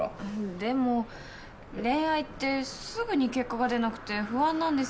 でも恋愛ってすぐに結果が出なくて不安なんです。